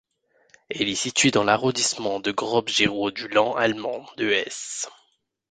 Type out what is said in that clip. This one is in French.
Elle est située dans l'arrondissement de Groß-Gerau du Land allemand de Hesse.